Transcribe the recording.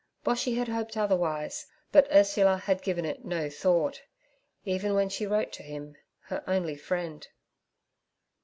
Boshy had hoped otherwise, but Ursula had given it no thought, even when she wrote to him—her only friend.